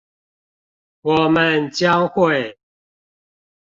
我們將會